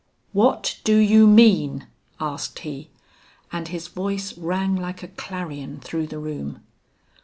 "What do you mean?" asked he, and his voice rang like a clarion through the room.